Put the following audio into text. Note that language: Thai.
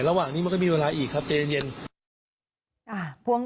ระหว่างนี้มันก็มีเวลาอีกครับใจเย็น